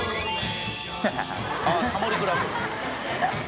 あっ『タモリ倶楽部』。